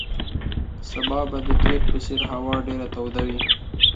سبا به د تېر په څېر هوا ډېره توده وي.